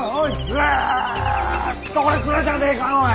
ずっとこれ蔵じゃねえかおい！